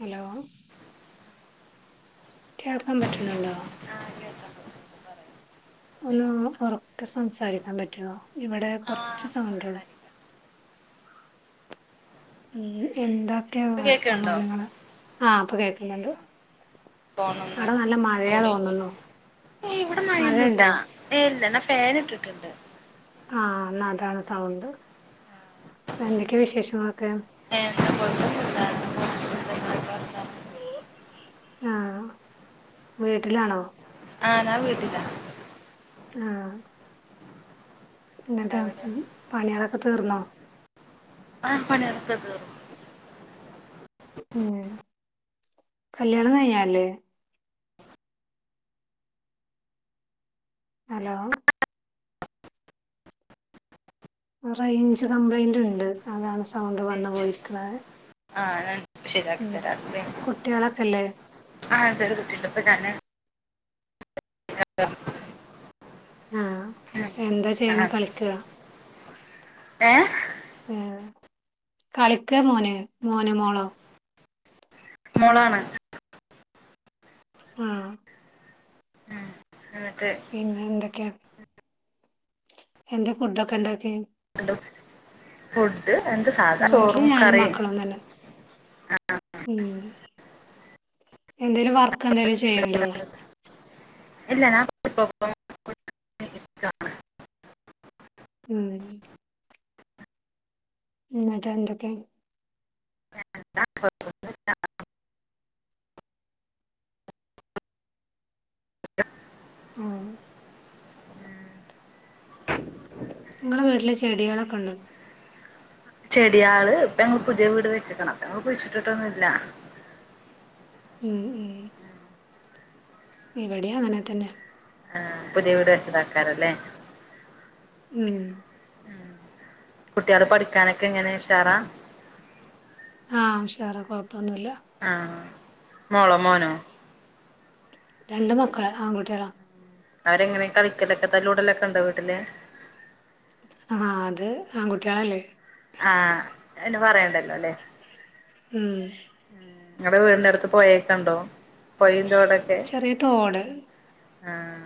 Hello പറയൂ കേൾക്കാൻ പറ്റണണ്ടോ ആ കേൾക്കാം കേൾക്കാം പറയൂ അ ഉറക്കെ സംസാരിക്കാൻ പറ്റുവോ ഇവിടെ ആ കൊറച്ച് സൗണ്ട് ണ്ട് സംസാരിക്കാം എന്തൊക്കെയ ഇപ്പൊ കേക്ക്ണ്ടോ വർത്തമാനങ്ങള് ആ ഇപ്പൊ കേൾക്കുന്നുണ്ട് അവിടെ നല്ല മഴയാ തോന്നുന്നു ഇവിടെ മഴൊന്നുല്ല മഴയുണ്ടോ [unintelligible] ഫാൻ ഇട്ടിട്ടുണ്ട് ആ എന്നതാണ് സൗണ്ട് എന്തൊക്കെയ വിശേഷങ്ങളൊക്കെ [unintelligible] ഇങ്ങളൊക്കെ വർത്താനം ആ വീട്ടിലാണോ ആഹ് ഞാൻ വീട്ടിലാ ആ എന്നിട്ട് ഇങ്ങളെവിടെ പണിയളൊക്കെ തീർന്നോ ആ പണികളൊക്കെ തീർന്നു ഉം കല്യാണം കഴിഞ്ഞതല്ലേ ഹലോ റേഞ്ച് കംപ്ലൈന്റും ഉണ്ട് അതാണ് സൗണ്ട് വന്ന് പോയിരിക്കുന്നത് ആഹ് ഞാൻ ശരിയാക്കി തരാ കുട്ടികളൊക്കെല്ലേ ആ ഒരു കുട്ടിയുണ്ട് ഇപ്പ ഞാന് [unintelligible] ആ എന്താ ആ ചെയ്യണെ കളിക്കുകയാ ഏ ആ കളിക്ക മോന് മോനോ മോളോ മോളാണ് ആ ഉം എന്നിട്ട് പിന്നെ എന്തൊക്കെയാ എന്തൊ ഫുഡൊക്കെ ഉണ്ടാക്കി ഫുഡ് എന്ത് സാധ വീട്ടില് ചോറും ഞാനും കറിം മക്കളും തന്നെ ഉം എന്തേലും വർക്ക് എന്തേലും ചെയ്യുണ്ടോ ഇല്ല ഞാൻ [unintelligible] ഉം എന്നിട്ട് എന്തൊക്കെ [unintelligible] ആഹ് നിങ്ങളെ വീട്ടില് ചെടികളൊക്കെ ഉണ്ടോ ചെടികാള് ഇപ്പ ഞങ്ങൾ പുതിയ വീട് വെച്ചക്കണ് അപ്പ ഞങ്ങ കുഴിച്ചിട്ടിട്ടൊന്നുമില്ല ഉം ഉം ഇവിടെ അങ്ങനെ തന്നെ പുതിയ വീട് വെച്ചതാക്കാരല്ലേ ഉം കുട്ടികള് പഠിക്കാനൊക്കെ എങ്ങനെ ഉഷാറാ ആ ഉഷാറാ കൊഴപ്പൊന്നുമല്ല ആഹ് മോളോ മോനോ രണ്ട് മക്കള് ആൺകുട്ടികളാ അവരെങ്ങനെ കളിക്കലൊക്കെ തല്ലകൂടലൊക്കെ ഉണ്ടോ വീട്ടില് ആ അത് ആൺകുട്ടികളല്ലേ ആ പിന്നെ പറയണ്ടല്ലോ അല്ലേ ഉം നിങ്ങടെ വീടിന്റെ അടുത്ത് പോഴയെക്കെ ഉണ്ടോ പോയി ചെറിയ തോട് ആഹ്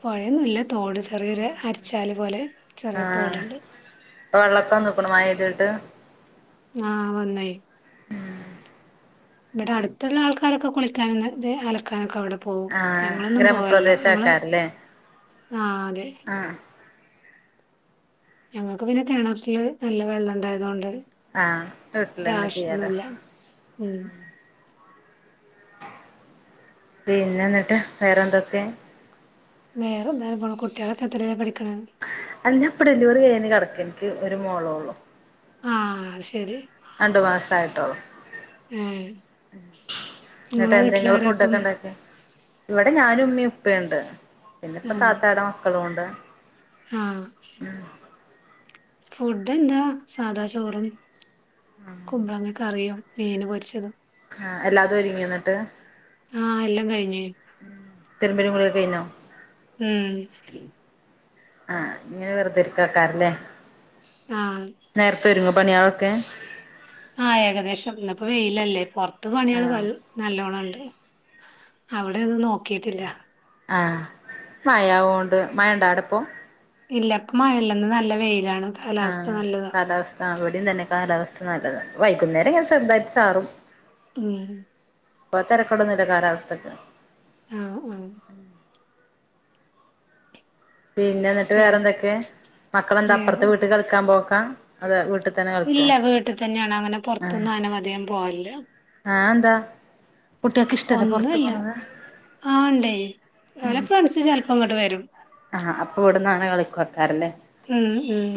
പുഴയൊന്നുല്ല തോട് ചെറിയൊരു അരിച്ചാല് പോലെ ചെറിയൊരു തോടുണ്ട് വെള്ളക്കൊ നിക്ണു മഴ പെയ്തിട്ട് ആ വന്നായി ഇവിടെ അടുത്തുള്ള ആൾക്കാരൊക്കെ കുളിക്കാൻ ന്ന്തെ അലക്കാനൊക്കെ അവിടെ പോവും ആഹ് ഞങ്ങളൊന്നും പോവലില്ല ഗ്രാമപ്രദേശ ഞങ്ങള് ആക്കാരല്ലേ ആ അതെ ആഹ് ഞങ്ങൾക്ക് പിന്നെ കിണറ്റില് നല്ല വെള്ളം ഉണ്ടായത് കൊണ്ട് ആഹ് ന്റെ വീട്ടിലന്നെ ചെയ്യാറ് ആവശ്യമൊന്നുമില്ല ഉം പിന്നെന്നിട്ട് വേറെന്തൊക്കേ? കുട്ട്യോലൊക്കെ എത്രേലെ പടി അല്ല ഇപ്പൊ ഡെലിവറി കയിഞ്ഞ് കിടക്കാനിക്ക് ഒരു മോളോള്ളു ആഹ് ശെരി അണ്ടു മാസായിട്ടോ ഉം നെട്ടെന്തേ ങ്ങള് വീട്ടിലാരാപ്പം ഫുഡ്ക്കെണ്ടാക്കിയെ ഇവിടെ ഞാനുമ്മീ ഉപയുണ്ട് പിന്നെപ്പ ആഹ് താത്തായേടെ മക്കളുംണ്ട് ആഹ് ഫുഡ്ന്താ സാധാ ചോറും കുമ്പളങ്ങക്കറിയും മീന് പൊരിച്ചത് ആഹ് എല്ലാതൊരുങ്യോന്നട്ട് ആഹ് എല്ലാം കഴിഞ്ഞ് തിരുമ്പലും കുലിയൊക്കെ കയിഞ്ഞോ? ഉം ആഹ് ഞ് വെറുതെര്ക്കാര്ക്കാാരല്ലേ ആഹ് നേരത്തെരുങ്യോ? പണ്യേളൊക്കെ ആഹ് ഏകദേശം ഇന്ന്പ്പോ വെയിലല്ലേ പുറത്ത് ആഹ് പണിയാള് നല്ലോണംണ്ട് അവിടെന്ന് നോക്കിയിട്ടില്യ ആഹ് മയാവോൺണ്ട് മയണ്ടാ ആ- ടപ്പോ? ഇല്ല പ്പ മഴല്ലന്ന് നല്ല വെയിലാണ് കാലാവസ്ഥ ആഹ് നല്ലതാ കാലാവസ്ഥ അവിടെം ദ്ന്നെ കാലാവസ്ഥ നല്ലത് വൈകുന്നേരങ്ങനെ ചെറുതായിട്ട് ചാറും ഉം പ്പതരക്കെടൊന്നുല്ല കാലാവസ്ഥക്ക് ആഹ് ആഹ് പിന്നെന്ന്ട്ട് പിന്നെ വേറെന്തെക്കേ മക്കളെന്താ അപ്പുറത്ത് വേറെന്താ വീട്ട്ക്ക്‌ കളിക്കാൻ പോക്കാ? അധെ വീട്ട് ഇല്ല വീട്ട്തന്യാണ് അങ്ങനെ പുറത്തൊന്നും അന അധിയം പോവല്യ ആന്താ ഒന്നുംല്ല ആണ്ടേ അലെ ഫ്രണ്ട്സ് ചെലപ്പോ ഇങ്ങട്ട് വരും ആഹ് അപ്പൊ വ്ട്ന്നണ് കളിക്ക ക്കറല്ലേ ഉം ഉം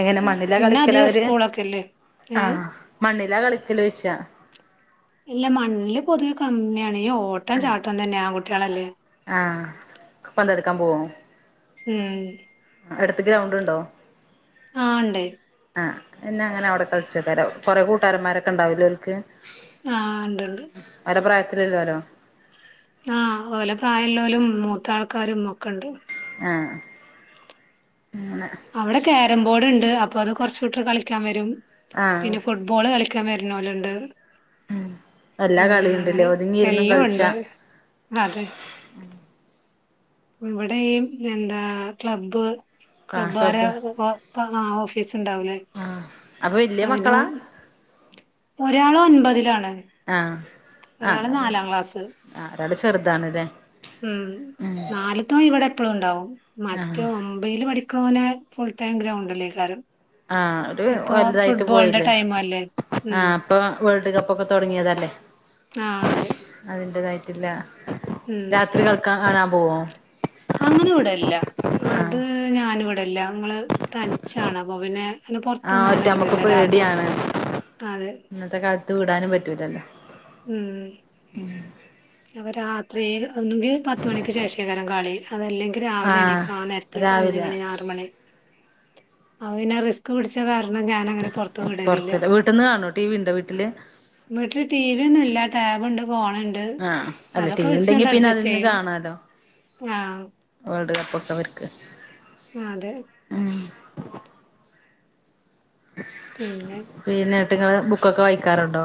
എങ്ങനെ മണ്ണിലാ പിന്നെ കളിക്കല് അധികം അവര് സ്കൂളൊക്കെല്ലേ ഏഹ് ആഹ് മണ്ണിലാ കളിക്കലോയിചാ? ഇല്ല മണ്ല് പൊതുവെ കമ്മിയാണ് ഓട്ടം ചാട്ടം തന്നെയാ ആങ്കുട്യേളല്ലേ ആഹ്പ്പം തെരക്കാംപോവോ? ഉംമ് അടുത്ത് ഗ്രൗണ്ട്ണ്ടോ? ആണ്ട് ആ എന്നെ അങ്ങനെ അവിടെ കളിച്ചു വക്കരാ കുറേ കൂട്ടാരൻ മാരോക്കെണ്ടവൂലോലോൽക്ക്‌? ആഹ ണ്ട് ണ്ട് ല്ലല്ലോ ആഹ് ഓലെ പ്രായല്ലോലും മൂത്ത ആൾക്കാരും ഒക്കെണ്ട് ആഹ അവിടെ ക്കേരംബോർഡ്ണ്ട് അപ്പൊത് കുറചുട്ട്രാര് കളിക്കാൻ വരും ആഹ് പിന്നെ ഫുട്ബോള്ണ്ട് ക്കാ വെരുന്നോലുണ്ട് എല്ലാ ഉം കളിയുണ്ടല്ലേ അങ്ങനെ ഒതുങ്ങിയിരുന്നും കളിച്ചാ എല്ലാംഉണ്ട് അത് ഇവിടെയും എന്താ ക്ലബ്ബ് ആ ക്ലബ്ബാരൊ ക്ലബ്ബ് ഹ് ആ ഓഫീസ്ണ്ടാവൂലേ ആ അപ്പൊ വല്യ അതിനും മക്കളാ ഒരാലൊൻപെഹ് ആഹ ആ ന്നാലും നാലാം ക്ലാസ് ആ ഓരാള് ചെറുതാാണ്ലെ ഉം നാലത്തോയ്ൻ ഇവിടെപ്പളും ണ്ടാവും ആ മറ്റോ ഒമ്പതില് പഠി ോന ഫുൾ ടൈ ഗ്രൗണ്ടിലായ്ക്കാരം ആഹ രു വലുതായിട്ട് പോയില്ലേ ടൈം അല്ലേ ഉം ആഹ അപ്പൊ കപ്പൊക്കെ തുടങ്ങിയതല്ലേ ആ അതെ അതിന്റേതായിട്ടില്ല ഉം രാത്രി കൾക്കാൻ കാണാൻ പോവോ അങ്ങനെ ഇവിടല്ല ആ അത് ഞാന ഇവിടല്ല ങ്ങള് തനിച്ചാണ് അപ്പൊ പിന്നെ അന്നെ ആ പുൊറത്തൊന്നും ഒറ്റ ആന നമ്മുക്ക് വിടില്ല രാത്രി പേടിയാണ് അള് ഉം അപ്പ രാത്രി ഒന്നെങ്കിൽ പത്തുമണിക്ക് ശേഷേകാലം കളി അതല്ലെങ്കിൽ രാവിലെ എണക്ക് ആ നേരത്ത് രാവിലെ അഞ്ചുമണി ആറുമണി അപ്പൊ പിന്നെ റിസ്ക് പിടിച്ച കാരണം ക ഞാന അങ്ങനെ പൊറത്തു വിടലില്ല പുറത്തല്ല വീട്ടിൽന്ന് കാണോ ടി വി ഉണ്ടോ വീട്ടില് വീട്ടില് ടി വി ഒന്നും ഇല്ല ടാബ്ണ്ട് ഫോണുണ്ട് ആഹ് അല്ല ടി വി ഉണ്ടെങ്കി പിന്നെ അതിൽന്ന് കാണാലോ ആഹ് വേൾഡ് കപ്പ് പൊക്കവർക്ക് ആ അതെ പിന്നെ അപ്പോ ഇങ്ങള് ബുക്കൊക്കെ വാറുണ്ടോ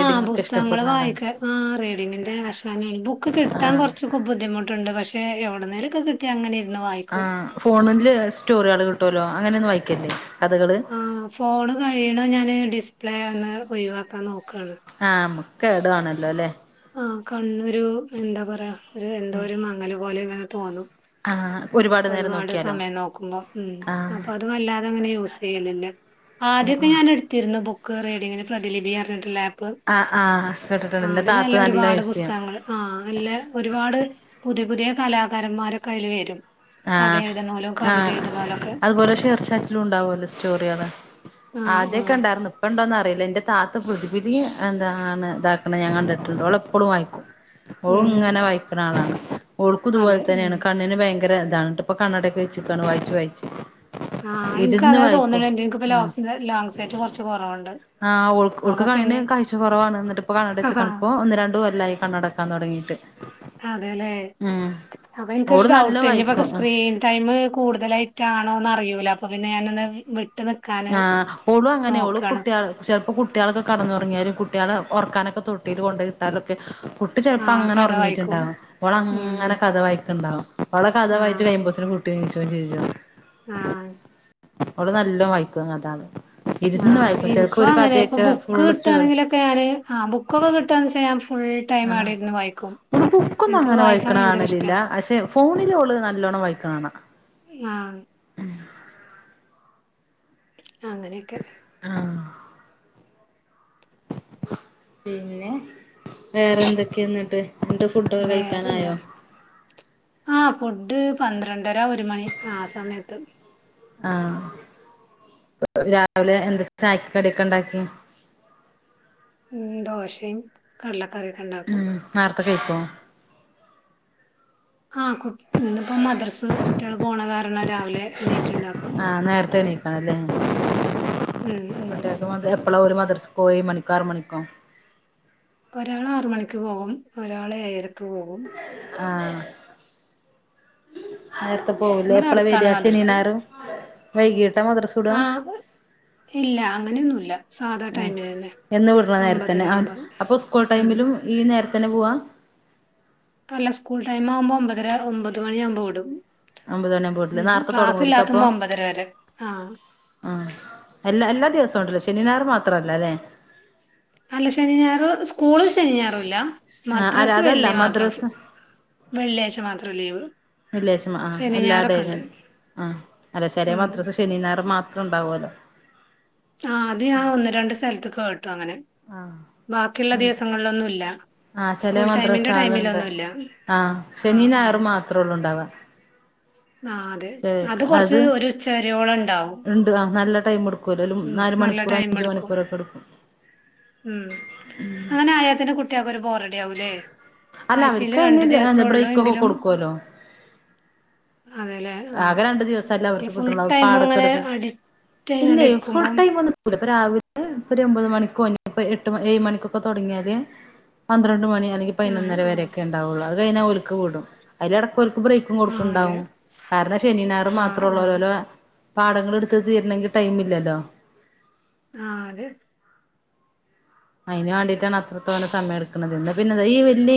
ആ പുസ്തകങ്ങള്ൾ വായിക്ക ആ റഡിങ്ങിന്റെ പ്രശ്നം ബുക്ക് കിട്ടാൻ ആഹ് കുറച്ചൊക്കെ ബുദ്ധിമുട്ടുണ്ട് പക്ഷെ പക്ഷെവിടന്ന നേരൊക്കെ കിട്ടി അങ്ങനെ ഇരുന്ന് ആ വായിക്കും ഫോണില് സ്റ്റോറി ആള് കിട്ടുമല്ലോ അങ്ങനെ ഒന്നും വായിക്കല്ലേ കഥകള് ആ ഫോണ് കഴിയണ ഞാന് ഡിസ്പ്ലേ ഒന്ന് ഒഴിവാക്കാൻ നോക്കും ആ മമുക്ക് ടവാണല്ലോ അല്ലേ ആ കണ്ണരു എന്താ പറയാ ഒരു എന്തോ ഒരു മങ്ങല് പോലെ ഇങ്ങനെ തോന്നും ആഹ് നേരം ഒരുപാട് നോക്കിയാലോ സമയം നോക്കുമ്പോ ഉം ആഹ് അപ്പൊ അത് വല്ലാതെ അങ്ങനെ യൂസ് ചെയ്യലല്ലേ ആദ്യമൊക്കെ ആഹ് ഞാൻ എടുത്തിരുന്നു ബുക്ക് റീഡിംഗിന് പ്രതിലിപി പറഞ്ഞിട്ട് ലാപ്പ് ആ ആ ആ അതില്ല്ല ഒരുപാട് പുസ്തകങ്ങ ആ അല്ല ഒരുപാട് പുതിയ പുതിയ കലാകാരന്മാര കയ്യിൽ വരും ആ കഥ എഴുതണോലും ആ കവിത എഴുതണോലൊക്കെ അതുപോലെ ഷെയർ ചാറ്റലും ഉണ്ടാവല്ലോ സ്റ്റോറി കൾ ആഹ് ആദ്യൊക്കെ ആഹ് ഉണ്ടായിരുന്നു ഇപ്പ ഉണ്ടോന്ന് അറിയില്ല എന്റെ താ താത്ത പ്രതി പ്രതി എന്താണ് ഇതാക്കണ ഞാ കണ്ടിട്ടുണ്ട്ള എപ്പോഴും വായിക്കും ഓൾ ഉം ഇങ്ങനെ വായിക്കനള ഓൾക്ക് ഇതുപോലെ അതെ തന്നെയാണ് ഉം കണ്ണിന് ഭയങ്കര ഇതാണ്ട്ട്പ്പ കണ്ണടയക്കെ വെച്ചിാണ് വായിച്ച് വായിച്ചു ആ എനിക്ക് അതായത് തോന്നുന്നു എനിക്കി ലോ ലോങ്സ് ആയിട്ട് കുറച്ച് കുറവുണ്ട് ആ് ഉക്ക് അപ്പൊ കണിന് പിന്നെ കാഴ്ച കുറവാണ് എന്നിട്ടിപ്പ കണ്ണടച്ച് കണിപ്പോൊ ഒന്ന് രണ്ടുംല്ലായി കണ്ണടക്കാൻ തുടങ്ങി അതെല്ലെ അപ്പ എനിക്കൊരു ഓള് നല്ലോം ഡൗട്ട് വായിക്കും [unintelligible] ആഹ് സ്ക്രീൻ ടൈം കൂടുതലായിട്ട് ണോന്ന് അറില്ല അപ്പൊ പിന്നെ ഞാനൊന്ന് [unintelligible] ആഹ് ഒളു അങ്ങനെ നോക്കാണ് കുട്ടികൾ ചെിലപ്പോ കുട്ടികളൊക്കെ കടന്നുറങ്ങിയാലും കുട്ടികള് ഉറക്കാനൊക്കെ തോട്ടിൽ കൊണ്ട് ഇട്ടാലൊക്കെ കുട്ടി ചെലപ്പോ ആഹ് അങ്ങനെ കഥ വായിക്കും ഉറങ്ങിട്ടുണ്ടാാവും അവള ഉം അങ്ങനെ കഥ വായിക്കുണ്ടാവും അവള കഥ വായിച്ച് ആഹ് കഴിയുമ്പോത്തന കുട്ടി നീച്ചും ചെയ്യും ആഹ് അവള് നല്ല വായിക്കും അതാണ് ആഹ് എനിക്കും അങ്ങനെ ഇപ്പൊ ബുക്ക് ഫുള്ള് സ്റ്റോറി കിട്ടുകയാണെങ്കിലൊക്കെ ഞാന് ആ് ബുക്കൊക്കെ കിട്ടുകന്ന് ചെയ്യാ ഫുൾ ടൈം ആഹ് ആവിടെന്ന് വായിക്കും [unintelligible] ബുക്കൊന്നും എനിക്ക് അങ്ങനെ വായിക്കാൻ വായിക്കണ ഭയങ്കര ഇഷ്ടാ കാണലില്ല പക്ഷെ ഫോണില ഒള് നല്ലോണ്ണം വായിക്കണണ അഹ് അങ്ങനെയൊക്കെ ആഹ് പിന്നെ വേറെ എന്തൊക്കെയ എന്നിട്ട് എന്നിട്ട് ഫുഡൊക്കെ വേറെന്താ കഴിക്കാനായോ ഡ് പന്ത്രണ്ടര ഒരു മണി ആ സമയത്ത് ആഹ് രാവിലെ [unintelligible] ചായക് കടിക്കെ ണ്ടാക്കി ഉം ദോശയും കടലക്കറിക്കെ ഇണ്ടാക്കും ഇപ്പൊ കേക്കുവോ ആ കു ഇന്ന്പ്പോ മദ്രസ്ന്ന് കുട്ടിള് പോണ കാരണ രാവിലെ എണീറ്റ്ണ്ടാക്കും കുട്ടിൾക്ക് മദ് എപ്പളാ ഓല് മദർസ്‌ പോയി മണിക്കാറ് മണിക്കോ ഒരാള് ആറ് മണിക്ക് പോകും ഒരാള് ഏഴരക്ക് പോകും ആഹ് നേരത്തെ പോവുലേ ഇവിടെ എപ്പളാ അടുത്താണ് വര ശനി മദ്രസ് ഞായറും വൈകീട്ടാ മദ്റസ വിട ആഹ് ഇല്ല അങ്ങനെന്നുല്ല സാധാ ടൈമില് തന്നെ എന്നും വിട്ണ ഒമ്പതര നേരതെന്നെ ആ ആകുമ്പോ അപ്പൊ സ്കൂൾ ഉം ടൈമിലും ഈ നേരതെന്നെ പോവാ അല്ല സ്കൂൾടൈം ആവുമ്പോൾ ഒൻപതരാ ഒൻപത് മണി ആവുമ്പോൾ വിടും ഒമ്പത് മണിയാകുമ്പോ വീട്ടില് ഉം നേരത്തെ ക്ലാസ്സ് തുടങ്ങുമായിരിക്കും ഇല്ലാത്തമ്പോ ഒമ്പതര വരെ ആഹ് ആ എല്ലാ എല്ലാ ദിവസവും ഉണ്ട് ല്ലോ ശനി ഞായർ മാത്രല്ല ല്ലെ അല്ല ശനി ഞായറും സ്കൂള് ശനി ഞായറും ഇല്ല ആഹ് അല്ല മദ്രസ് അതല്ല വെള്ളി മാത്രം മദ്രസ വെള്ളിയാഴ്ച മാത്രം ലീവ് വെള്ളിയാഴ്ച ആ ശനി എല്ലാ ഡേ ഞായറൊക്കെ ഉണ്ട് ആ അല്ല ചെലെ ഉം മദ്രസ ശനി ഞായർ മാ ത്രം ഉണ്ടാവല്ലോ ആഹ് അത് ഞാൻ ഒന്ന് രണ്ട് സ്ഥലത്ത്ക്ക് കേട്ടു അങ്ങനെ ബാക്കിയുള്ള ദിവസങ്ങളിലൊന്നുല്ല ആഹ് ചെലെ മദ്രസ അതുണ്ട് ആഹ് ശനീ ആഹ് ആഹ് ഞായറും മാത്രേള്ളൂ ഇണ്ടാവ ആഹ് അതെ ശ കൊറച്ച് അത് ഒരു ഉച്ചവരെയോളം ഉണ്ടാവും ണ്ട് ആ നല്ല ടൈം എടുക്കൂല്ലോ ഉം നാല് നല്ല മണിക്കൂറ് ടൈം അഞ്ച് എടുക്കും മണിക്കൂറ് ക്കെടുക്കും ഉം അങ്ങനെ ആയാത്തന്നെ കുട്ടികൾക്ക് ഒരു ബോറടി ശരിയാവുല്ലേ അല്ല ആഴ്ചേൽ അവർക്ക് രണ്ടു അതിന് ബ്രേക്കൊക്കെ ദിവസെയുള്ളൂയെങ്കിലും- കൊടുക്കുമല്ലോ അതെ ലെ ആ ആകെ രണ്ട് ദിവസല്ലേ ഇ അവർക്ക് ഫുൾ കിട്ടുള്ളൂ ടൈമും പാടൊക്കെ ങ്ങനെ എടുത്ത് അടി റ്റായ്ണ്ടിരിക്കുമ്പം ഇത്പ്പോ രാവിലെ ഒരു ഒമ്പത് മണിക്കോ ഇനി എട്ട് ഏഴ് മണിക്കൊക്കെ തൊടങ്ങിയാല് - പന്ത്രണ്ട് മണി അല്ലെങ്കിൽ ആഹ് പതിനൊന്നര വരെയൊക്കെ ഉണ്ടാവുള്ളൂ അത് കഴിഞ്ഞാൽ ഓൽക്ക് വിടും അയ്നെട് ക്ക് ബ്രേക്കും ആഹ് കൊടുക്കുണ്ടാവും കാരണം ശനി ഞായർ ആഹ് അതെ മാത്ര ആഹ് ഉള്ളോ ആഹ് ആഹ് ലോ- പാടങ്ങൾ എടുത്ത് തീരണങ്കി ടൈം ഇല്ലല്ലോ ആഹ് അത്- അയ്ന് വേണ്ടിട്ടാണ് അത്രത്തോലം സമയം എട്ക്ക്‌ണത് എന്താ പിന്നെ ഈ വല്യ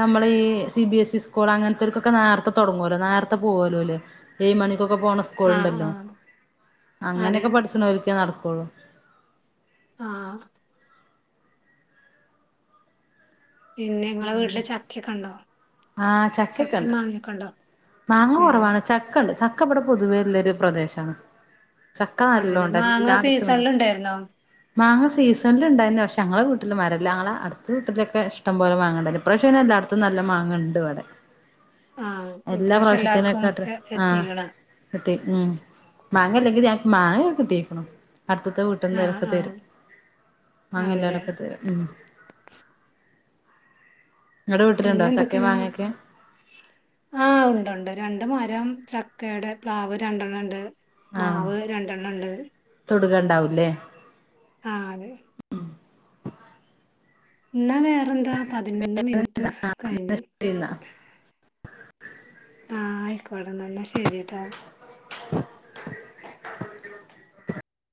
നമ്മള് ഈ C B S E school അങ്ങനെ തോൽക്കൊക്കെ നേര്ത്തെ തൊടങ്ങുല്ലോ നേരത്തെ പോവലോ ഓല് ഏയ്‌ മണി- ക്കെ പോണ സ്കൂൾ ആഹ് ഉണ്ടല്ലോ ആഹ് അതെ അങ്ങനെക്കെ പഠിച്ചിനോൽക്കെ നടക്കുള്ളൂ ആഹ് പിന്നെ നിങ്ങളെ പിന്നെ വീട്ടില് ചക്കക്കെ ഉണ്ടോ ആ ചക്കയൊക്കെ ചക്കെ ഉണ്ട് മാങ്ങയൊക്കെ ഉണ്ടോ മാങ്ങ ഏഹ് കൊറവാണ് ചക്കണ്ട് ചക്ക ഇവിടെ പൊതുവേല്ലെരു പ്രദേശാണ് ചക്കാ അതെല്ലേ നല്ലോണ്ട് മാങ്ങ എല്ലായിടത്തും ണ്ട് സീസണിൽ ഉണ്ടായിരുന്നോ മാങ്ങ സീസൺല് ണ്ടായിരുന്നു പക്ഷേ ങ്ങളെ വീട്ടില് മരല്ല ഞങ്ങളെ അടുത്ത വീട്ടിതൊക്കെ ഇഷ്ട പോലെ മാങ്ങാ ഇഡേയ്ഞ്ഞി ഇപ്രാവശ്യം അയ്‌ന് എല്ലാ അടുത്തും നല്ല മാങ്ങ ഇണ്ട് ഇവടെ ആഹ് എല്ലാ ഇപ്രാവശ്യം എല്ലാർക്കും പ്രാവശ്യത്തിനെകാട്ടിലും എ ആഹ് എത്തിക്ക്ണ് ത്തെ ഉമ് മാങ്ങല്ലെങ്കിലും ഞങ്ങക്ക് മാങ്ങ ഒക്കെ കിട്ടിക്ക്‌ണു അടുത്ത്ത്തെ വീട്ട്ന്ന് ആഹ് ഒക്കെ ആഹ് തരും മാങ്ങ അതെല്ലേ എല്ലാരുപ്പ തരും ഉം നിങ്ങടെ വീട്ടില് പിന്നെ ണ്ടോ ചക്കെ മാങ്ങ ക്കെ ആ ഉണ്ട് ഉണ്ട് രണ്ട് മരം ചക്കയുടെ പ്ലാവ് രണ്ടെണ്ണം ണ്ട് ആഹ് മാവ് രണ്ടെണ്ണം ണ്ട് [unintelligible] ആഹ് ന്നാ വേറെന്താ പതിനൊന്ന് മിനിറ്റ് കഴിഞ്ഞു ശരി എന്നാ [inaudible] ആഹ് ആയിക്കോട്ടന്നാൽ ന്നാ ശരി ട്ടോ